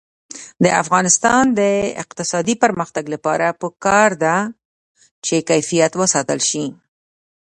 د افغانستان د اقتصادي پرمختګ لپاره پکار ده چې کیفیت وساتل شي.